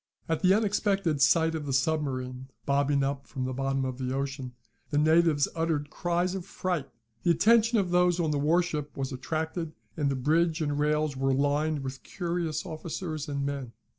At the unexpected sight of the submarine, bobbing up from the bottom of the ocean, the natives uttered cries of fright. The attention of those on the warship was attracted, and the bridge and rails were lined with curious officers and men.